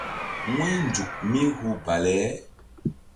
Wu̧ynzuk mí hu bale.